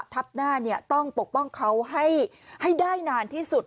ทับหน้าต้องปกป้องเขาให้ได้นานที่สุด